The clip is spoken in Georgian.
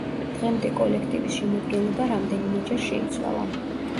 დღემდე კოლექტივის შემადგენლობა რამდენიმეჯერ შეიცვალა.